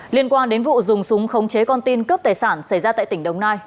liên quan đến vụ dùng súng khống chế con tin cướp tài sản xảy ra tại tỉnh đồng nai